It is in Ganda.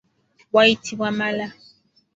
Wayitibwa mala.